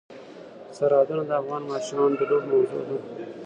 سرحدونه د افغان ماشومانو د لوبو موضوع ده.